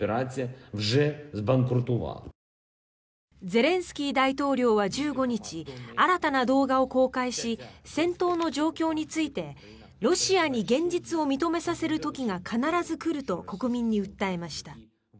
ゼレンスキー大統領は１５日新たな動画を公開し戦闘の状況についてロシアに現実を認めさせる時が必ず来ると国民に訴えました。